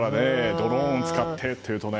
ドローンを使ってとなると。